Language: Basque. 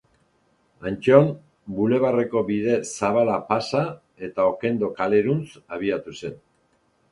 Antton, bulebarreko bide zabala pasa, eta Okendo kaleruntz abiatu zen.